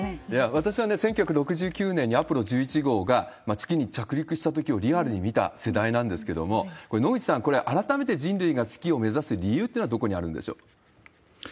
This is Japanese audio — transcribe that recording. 私は１９６９年にアポロ１１号が月に着陸したときをリアルに見た世代なんですけれども、これ、野口さん、改めて人類が月を目指す理由というのはどこにあるんでしょう。